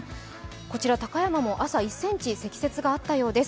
こちら高山でも１ｃｍ積雪があったそうです。